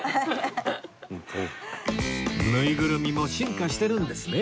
ぬいぐるみも進化してるんですね